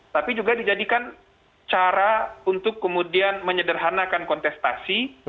tapi juga dijadikan cara untuk kemudian menyederhanakan kontestasi